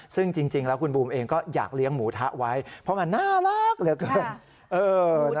ซึ่งจริงแล้วคุณบูมเองก็อยากเลี้ยงหมูทะไว้เพราะมันน่ารักเหลือเกิน